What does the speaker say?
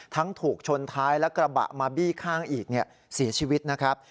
ถูกชนท้ายและกระบะมาบี้ข้างอีกเสียชีวิตนะครับ